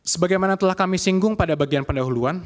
sebagaimana telah kami singgung pada bagian pendahuluan